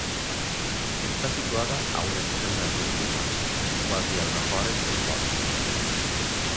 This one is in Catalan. Està situada a un extrem del nucli urbà, quasi als afores del poble.